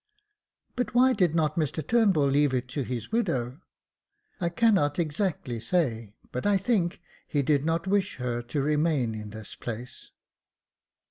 *' But why did not Mr Turnbull leave it to his widow ?"*' I cannot exactly say, but I think he did not wish her to remain in this place.